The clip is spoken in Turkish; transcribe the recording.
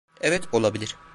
Evet, olabilir.